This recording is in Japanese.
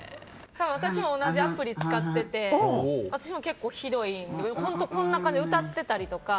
私も同じアプリ使ってて私も結構ひどいのでこんな感じで歌ってたりとか。